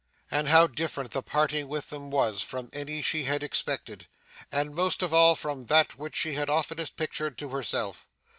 And how different the parting with them was, from any she had expected, and most of all from that which she had oftenest pictured to herself.